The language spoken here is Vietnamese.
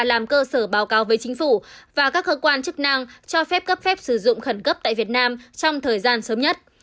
làm cơ sở báo cáo với chính phủ và các cơ quan chức năng cho phép cấp phép sử dụng khẩn cấp tại việt nam trong thời gian sớm nhất